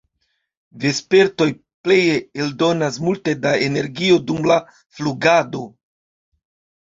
Vespertoj pleje eldonas multe da energio dum la flugado.